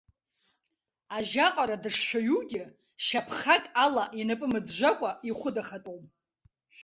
Ажьа аҟара дышшәаҩугьы, шьаԥхак ала инапы мӡәӡәакәа ихәы дахатәом.